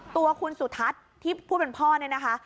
ตัวคุณสุทัศน์ที่ผู้เป็นพ่อเนี่ยนะคะ